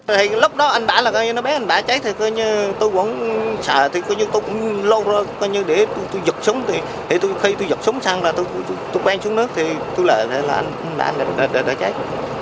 thì lúc đó anh bảy là coi như nó bé anh bảy cháy thì coi như tôi cũng sợ thì coi như tôi cũng lâu rồi coi như để tôi vứt súng thì khi tôi vứt súng sang là tôi quen xuống nước thì tôi là anh bảy đã cháy